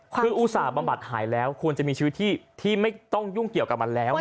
คืออุตส่าห์บำบัดหายแล้วควรจะมีชีวิตที่ไม่ต้องยุ่งเกี่ยวกับมันแล้ว